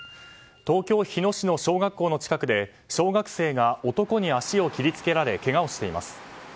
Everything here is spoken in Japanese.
東京・日野市の小学校の近くで小学生が男に足を切りつけられけがをしています。